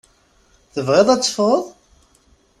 Tebɣiḍ ad teffɣeḍ?